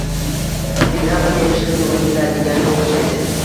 Telegramma berishga toʻgʻri keladiganga oʻxshaydi.